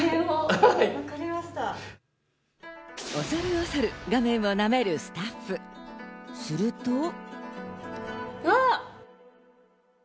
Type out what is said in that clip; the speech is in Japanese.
恐る恐る画面をなめるスタッフ、すると。